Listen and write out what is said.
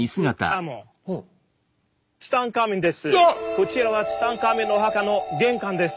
こちらはツタンカーメンのお墓の玄関です。